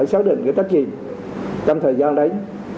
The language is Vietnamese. hãy xác định cái tác nhiệm trong thời gian đấy